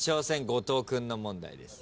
後藤君の問題です。